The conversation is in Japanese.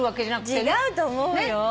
違うと思うよ。